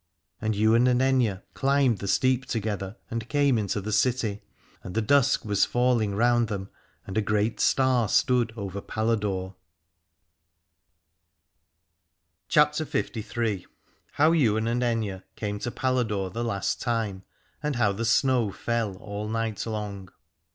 And Ywain and Aithne climbed the steep together, and came into the city: and the dusk was falling round them, and a great star stood over Paladore. 331 CHAPTER LIII. HOW YWAIN AND AITHNE CAME TO PALADORE THE LAST TIME, AND HOW THE SNOW FELL ALL NIGHT LONG.